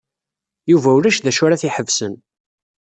Yuba ulac d acu ara t-iḥebsen.